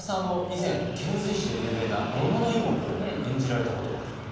以前遣隋使で有名な小野妹子を演じられたことがあると。